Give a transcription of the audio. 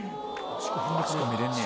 四股見れんねや。